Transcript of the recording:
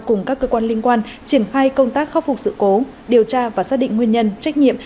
cùng các cơ quan liên quan triển khai công tác khắc phục sự cố điều tra và xác định nguyên nhân trách nhiệm